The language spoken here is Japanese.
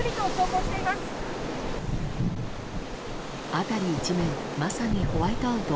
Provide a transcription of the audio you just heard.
辺り一面まさにホワイトアウト。